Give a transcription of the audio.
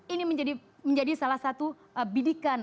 ini menjadi salah satu bidikan